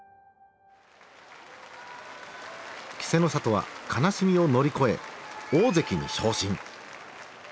稀勢の里は悲しみを乗り越え大関に昇進。